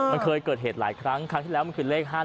มันเคยเกิดเหตุหลายครั้งครั้งที่แล้วมันคือเลข๕๗